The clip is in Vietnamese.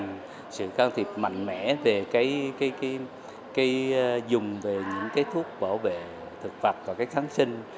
ngành hồ tiêu phải càng mạnh mẽ về cái dùng về những cái thuốc bảo vệ thực vật và các kháng sinh